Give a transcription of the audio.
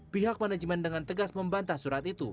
pihak manajemen dengan tegas membantah surat itu